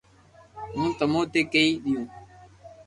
ھون تموني ڪئي ديو